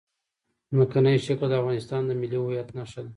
ځمکنی شکل د افغانستان د ملي هویت نښه ده.